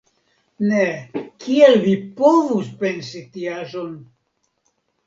Ne, kiel vi povus pensi tiaĵon!